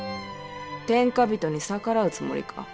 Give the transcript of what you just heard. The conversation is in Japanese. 天下人に逆らうつもりか。